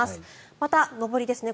また、上りですね。